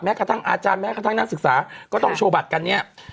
กระทั่งอาจารย์แม้กระทั่งนักศึกษาก็ต้องโชว์บัตรกันเนี่ย